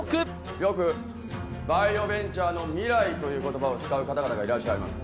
よくバイオベンチャーの未来という言葉を使う方々がいらっしゃいます。